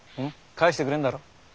帰してくれんだろ？